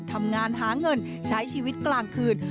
ทำงานหาเงินใช้ชีวิตกลางคืน